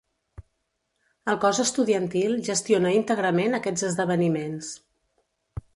El cos estudiantil gestiona íntegrament aquests esdeveniments.